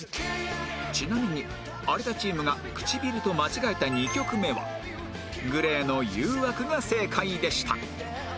ちなみに有田チームが『口唇』と間違えた２曲目は ＧＬＡＹ の『誘惑』が正解でした